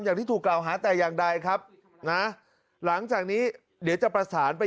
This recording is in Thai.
อย่างที่ถูกกล่าวหาแต่อย่างใดครับนะหลังจากนี้เดี๋ยวจะประสานไป